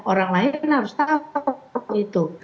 orang lain harus tahu itu